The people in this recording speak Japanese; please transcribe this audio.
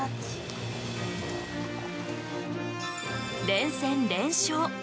連戦連勝。